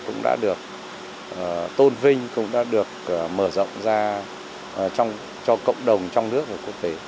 cũng đã được tôn vinh cũng đã được mở rộng ra cho cộng đồng trong nước và quốc tế